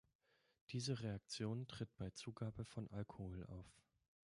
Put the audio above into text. Diese Reaktion tritt bei Zugabe von Alkohol auf.